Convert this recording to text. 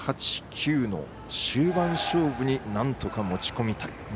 ７、８、９の終盤勝負になんとか持ち込みたい。